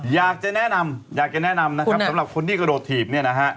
อยากจะแนะนำอยากจะแนะนำนะครับสำหรับคนที่กระโดดถีบเนี่ยนะฮะ